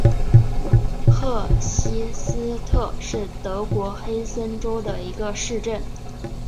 赫希斯特是德国黑森州的一个市镇。